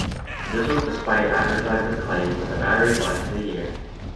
This was despite advertisement claims that the batteries lasted a year.